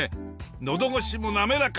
のどごしも滑らか。